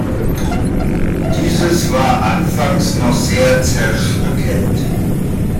Dieses war anfangs noch sehr zerstückelt.